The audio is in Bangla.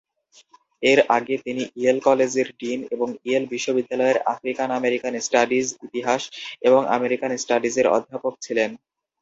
এর আগে, তিনি ইয়েল কলেজের ডিন এবং ইয়েল বিশ্ববিদ্যালয়ের আফ্রিকান আমেরিকান স্টাডিজ, ইতিহাস এবং আমেরিকান স্টাডিজের অধ্যাপক ছিলেন।